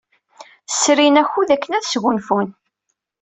Srin akud akken ad sgunfun.